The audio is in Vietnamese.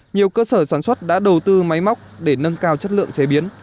nhiều cơ sở sản xuất đã đầu tư máy móc để nâng cao chất lượng chế biến